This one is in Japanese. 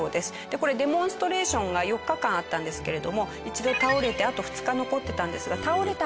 これデモンストレーションが４日間あったんですけれども一度倒れてあと２日残ってたんですが倒れた